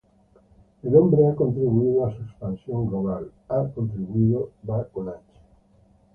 El hombre a contribuido a su expansión global.